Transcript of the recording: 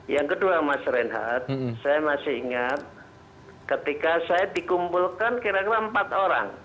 yang kedua mas reinhardt saya masih ingat ketika saya dikumpulkan kira kira empat orang